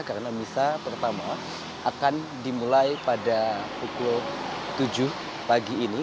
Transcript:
karena misah pertama akan dimulai pada pukul tujuh pagi ini